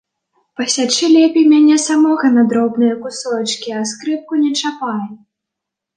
Пасячы лепей мяне самога на дробныя кусочкі, а скрыпку не чапай!